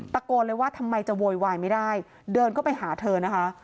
ตะโกนเลยว่าทำไมจะโวยวายไม่ได้เดินเข้าไปหาเธอนะคะ